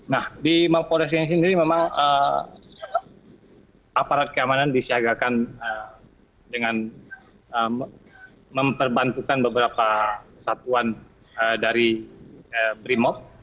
nah di mapolres ini memang aparat keamanan disiagakan dengan memperbantukan beberapa kesatuan dari brimok